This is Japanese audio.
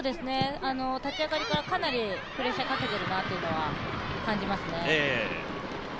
立ち上がりからかなりプレッシャーかけてるなっていうのは感じますね。